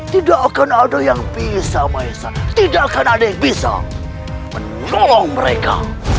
tidak akan ada yang bisa maesah tidak akan ada yang bisa menolong mereka